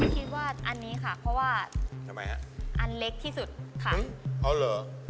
คิดว่าอันนี้ค่ะเพราะว่าอันเล็กที่สุดค่ะอื้อหรือ